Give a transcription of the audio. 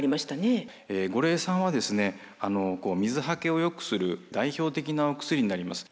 五苓散は水はけをよくする代表的なお薬になります。